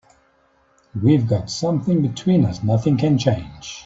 We've got something between us nothing can change.